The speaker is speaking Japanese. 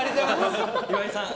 岩井さん